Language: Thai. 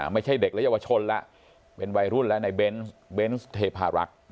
ไม่ใช่เด็กและเยาวชนแล้วเป็นวัยรุ่นแล้วในเบนส์เบนส์เทพารักษ์